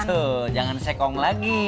tuh jangan sekong lagi